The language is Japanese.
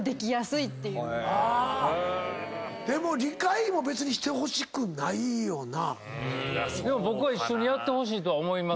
でも理解も別にしてほしくないよな？